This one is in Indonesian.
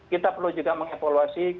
kita perlu juga mengevaluasi